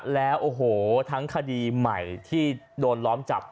แล้วโอ้โหทั้งคดีใหม่ที่โดนล้อมจับ